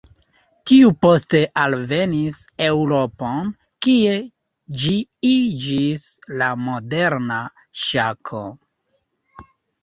Tiu poste alvenis Eŭropon, kie ĝi iĝis la moderna Ŝako.